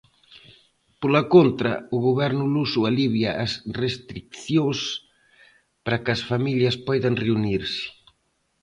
Pola contra, o Goberno luso alivia as restricións para que as familias poidan reunirse.